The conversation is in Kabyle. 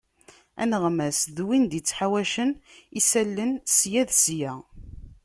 Aneɣmas d win id-yettḥawacen isallen sya d sya.